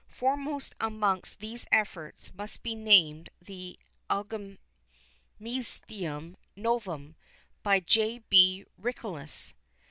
Foremost amongst these efforts must be named the Almagestum Novum of J. B. Ricciolus.